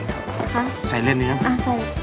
คะใส่เล่นดีนะอ่าใส่